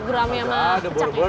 guramnya sama kecakan